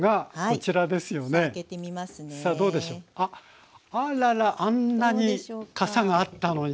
あららあんなにかさがあったのに。